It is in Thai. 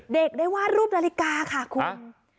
เด็กได้วาดรูปนาฬิกาค่ะคุณ